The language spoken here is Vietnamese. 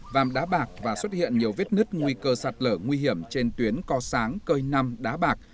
vàm đá bạc và xuất hiện nhiều vết nứt nguy cơ sạt lở nguy hiểm trên tuyến co sáng cơi năm đá bạc